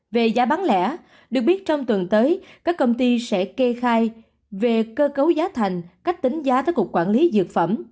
về giá bán lẻ được biết trong tuần tới các công ty sẽ kê khai về cơ cấu giá thành cách tính giá tới cục quản lý dược phẩm